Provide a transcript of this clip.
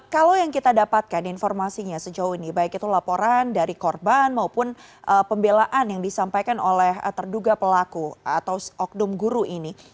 kalau yang kita dapatkan informasinya sejauh ini baik itu laporan dari korban maupun pembelaan yang disampaikan oleh terduga pelaku atau oknum guru ini